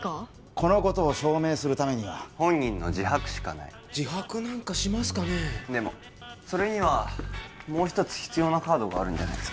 このことを証明するためには本人の自白しかない自白なんかしますかねでもそれにはもう一つ必要なカードがあるのでは？